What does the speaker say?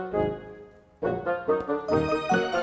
masih ada yang mau